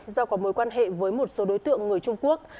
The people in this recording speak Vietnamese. do có mối quan hệ với một số đối tượng người trung quốc